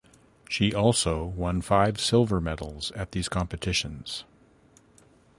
She also won five silver medals at these competitions.